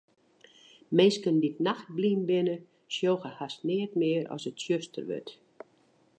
Minsken dy't nachtblyn binne, sjogge hast neat mear as it tsjuster wurdt.